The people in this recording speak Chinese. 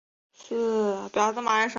它有着较高的轨道离心率。